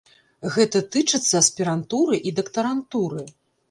Гэта тычыцца аспірантуры і дактарантуры.